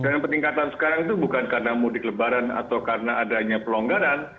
dan peningkatan sekarang itu bukan karena mudik lebaran atau karena adanya pelonggaran